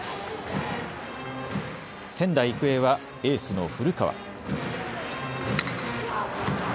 仙台育英はエースの古川。